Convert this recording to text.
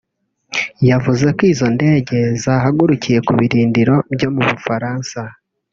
yavuze ko izo ndege zahagurukiye ku birindiro byo mu Bufaransa